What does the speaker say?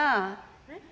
えっ？